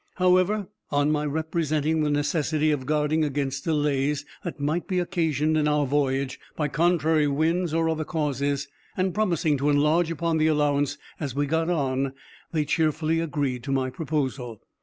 However, on my representing the necessity of guarding against delays that might be occasioned in our voyage by contrary winds or other causes, and promising to enlarge upon the allowance as we got on, they cheerfully agreed to my proposal.